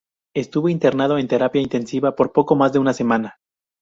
Estuvo internado en terapia intensiva por poco más de una semana.